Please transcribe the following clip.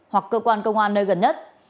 hoặc cơ quan công an nơi gần nhất